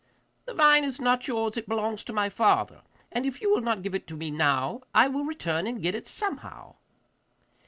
'The vine is not yours; it belongs to my father, and if you will not give it to me now, I will return and get it somehow.